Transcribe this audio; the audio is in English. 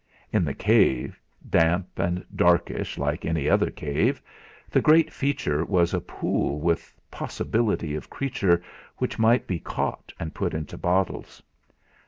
In the cave, damp and darkish like any other cave, the great feature was a pool with possibility of creatures which might be caught and put into bottles.